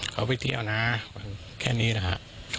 เขาไปเที่ยวนะแค่นี้นะฮะ